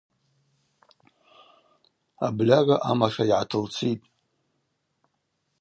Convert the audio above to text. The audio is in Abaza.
Абльагӏва амаша йгӏатылцитӏ.